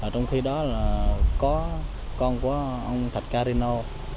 trong khi đó là có con của ông thạch carino